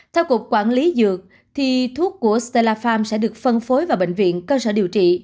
theo cục quản lý dược thì thuốc của stella pharm sẽ được phân phối vào bệnh viện cơ sở điều trị